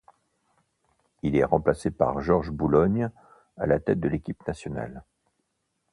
Il est remplacé par Georges Boulogne à la tête de l'équipe nationale.